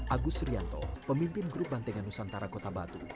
agus srianto pemimpin grup bandengan nusantara kota batu